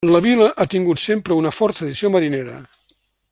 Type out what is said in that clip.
La Vila ha tingut sempre una fort tradició marinera.